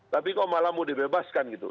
tapi kok malah mau dibebaskan gitu